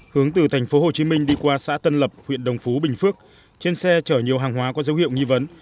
hướng từ thành phố hồ chí minh đi qua xã tân lập huyện đồng phú bình phước trên xe chở nhiều hàng hóa có dấu hiệu nghi vấn